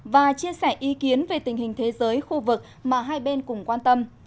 và chia sẻ ý kiến về tình hình thế giới khu vực mà hai bên cùng quan tâm